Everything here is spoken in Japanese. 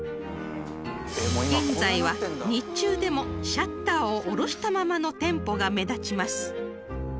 ［現在は日中でもシャッターを下ろしたままの店舗が目立ちます］